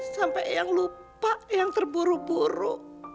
sampai yang lupa yang terburu buru